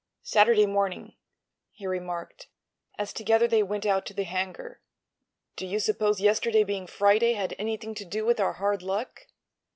"Saturday morning," he remarked, as together they went out to the hangar. "Do you suppose yesterday being Friday had anything to do with our hard luck?"